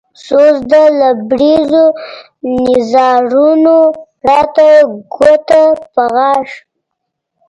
سوز د لبرېزو نيزارونو راته ګوته په غاښ